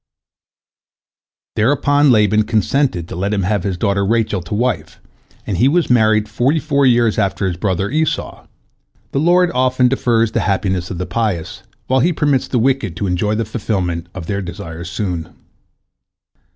" Thereupon Laban consented to let him have his daughter Rachel to wife, and he was married forty four years after his brother Esau. The Lord often defers the happiness of the pious, while He permits the wicked to enjoy the fulfilment of their desires soon.